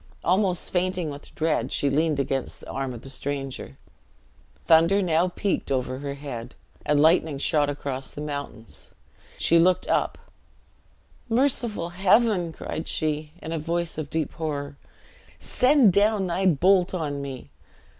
Almost fainting with dread, she leaned against the arm of the stranger. Thunder now peaked over her head, and lightning shot across the mountains. She looked up: "Merciful Heaven!" cried she, in a voice of deep horror; "send down thy bolt on me!"